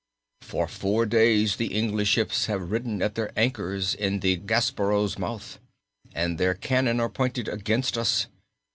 "For four days the English ships have ridden at their anchors in the Gaspereau's mouth, and their cannon are pointed against us.